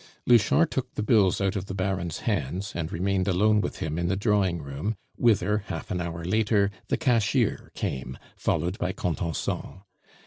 Louchard took the bills out of the Baron's hands, and remained alone with him in the drawing room, whither, half an hour later, the cashier came, followed by Contenson.